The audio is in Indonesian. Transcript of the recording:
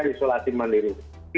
nhs dengan isolasi mandiri